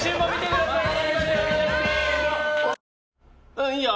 うんいいよ。